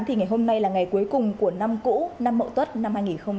thì ngày hôm nay là ngày cuối cùng của năm cũ năm mậu tuất năm hai nghìn hai mươi